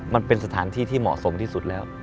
มันเป็นสถานที่ที่เหมาะสมที่สุดแล้ว